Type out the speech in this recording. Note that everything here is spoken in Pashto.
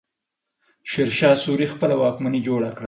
شېرشاه سوري خپله واکمني جوړه کړه.